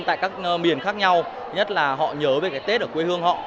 tại các miền khác nhau nhất là họ nhớ về cái tết ở quê hương họ